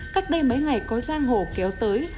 cách đây mấy ngày có giang hồ kéo tới